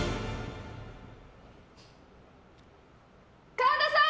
神田さん！